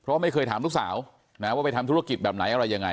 เพราะไม่เคยถามลูกสาวนะว่าไปทำธุรกิจแบบไหนอะไรยังไง